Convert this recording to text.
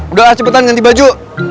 udah lah cepetan ganti baju